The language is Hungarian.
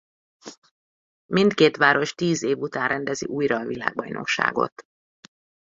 Mindkét város tíz év után rendezi újra a világbajnokságot.